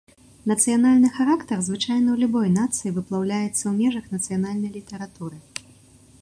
Нацыянальны характар звычайна ў любой нацыі выплаўляецца ў межах нацыянальнай літаратуры.